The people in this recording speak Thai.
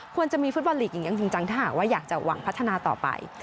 ควรจะมีฟุตบอลลีกหญิงอย่างจริงจังถ้าหากว่าอยากจะหวังพัฒนาต่อไป